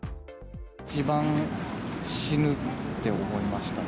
一番死ぬって思いましたね。